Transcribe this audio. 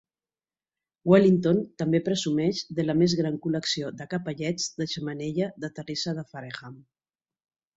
Wallington també presumeix de la més gran col·lecció de capellets de xemeneia de "terrissa de Fareham".